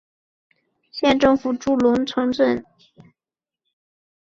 县政府驻龙城镇。